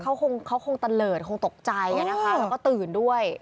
คิดว่าเขาคงตะเลิศคงตกใจนะคะก็ตื่นด้วย